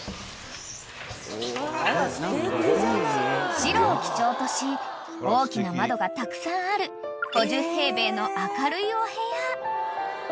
［白を基調とし大きな窓がたくさんある５０平米の明るいお部屋］